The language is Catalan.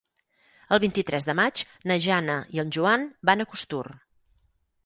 El vint-i-tres de maig na Jana i en Joan van a Costur.